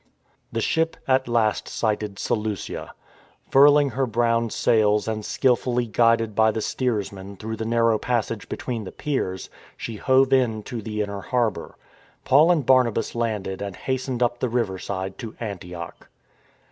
The ship at last sighted Seleucia. Furling her brown, sails and skilfully guided by the steersman through the narrow passage between the piers, she hove to in the inner harbour. Paul and Barnabas landed and hastened up the riverside to Antioch.